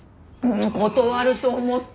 断ると思った！